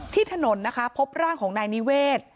ที่ถนนนะคะพบร่างของนายนิเวศ